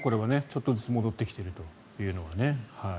ちょっとずつ戻ってきているというのはね。